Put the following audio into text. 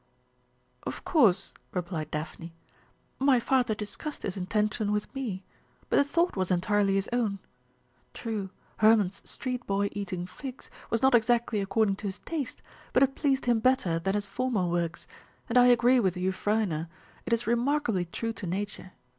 "Of course," replied Daphne, "my father discussed his intention with me, but the thought was entirely his own. True, Hermon's Street Boy eating Figs was not exactly according to his taste, but it pleased him better than his former works, and I agree with Euphranor, it is remarkably true to nature.